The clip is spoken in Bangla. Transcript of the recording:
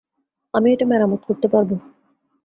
আমি এটা মেরামত করতে পারব।